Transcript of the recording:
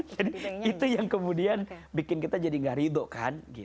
jadi itu yang kemudian bikin kita jadi gak rido kan